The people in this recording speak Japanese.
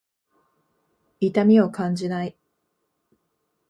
痛みを感じない。